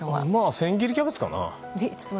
千切りキャベツ